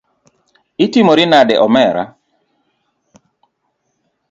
Itimori nade omera.